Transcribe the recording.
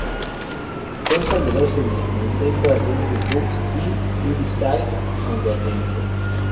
Constan de dos series, "Nintendo Adventure Books" y "You Decide on the Adventure".